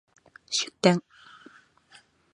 出店